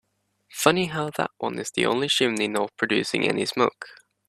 Funny how that one is the only chimney not producing any smoke.